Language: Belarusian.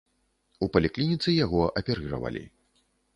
У паліклініцы яго аперыравалі.